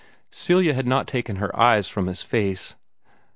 Celia had not taken her eyes from his face.